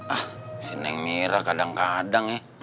ah si neng mirah kadang kadang ya